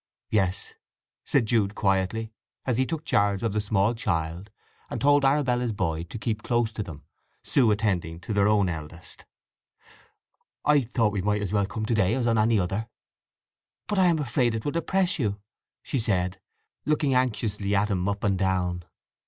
"Yes," said Jude quietly, as he took charge of the small child, and told Arabella's boy to keep close to them, Sue attending to their own eldest. "I thought we might as well come to day as on any other." "But I am afraid it will depress you!" she said, looking anxiously at him up and down.